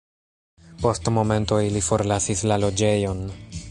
Post momento ili forlasis la loĝejon.